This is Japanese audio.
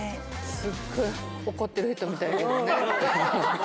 すっごい怒ってる人みたいやけどね